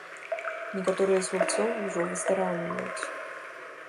Некаторыя з гульцоў ужо выздараўліваюць.